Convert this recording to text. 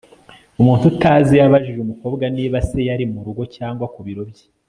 umuntu utazi yabajije umukobwa niba se yari mu rugo cyangwa ku biro bye